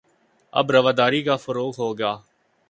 اب رواداری کا فروغ ہو گا